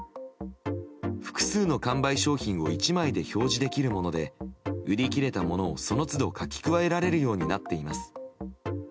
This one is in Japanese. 複数の完売商品を１枚で表示できるもので売り切れたものを、その都度書き加えられるようになっています。